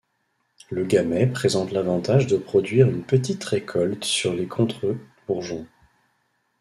Le gamay présente l’avantage de produire une petite récolte sur les contre-bourgeons.